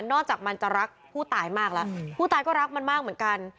จากมันจะรักผู้ตายมากแล้วผู้ตายก็รักมันมากเหมือนกัน